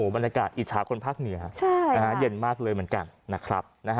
บรรยากาศอิชาคนพักเหนือเย็นมากเลยเหมือนกันนะครับ